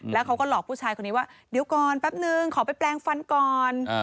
แล้วเขาก็หลอกผู้ชายคนนี้ว่าเดี๋ยวก่อนแป๊บนึงขอไปแปลงฟันก่อน